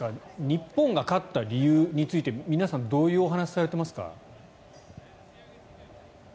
日本が勝った理由について皆さんどういうお話をされていますか？